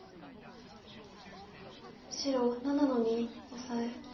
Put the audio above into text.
白７の二オサエ。